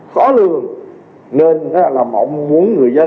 khó lường nên đó là mộng muốn người dân